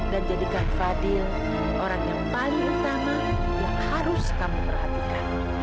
jadikan fadil orang yang paling utama yang harus kamu perhatikan